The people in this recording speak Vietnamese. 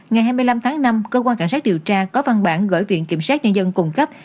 ngày hai mươi năm tháng năm cơ quan cảnh sát điều tra có văn bản gửi viện kiểm sát nhân dân cung cấp